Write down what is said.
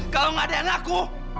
kalau nggak ada yang ngaku